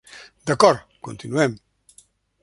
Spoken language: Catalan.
D'acord, continuem.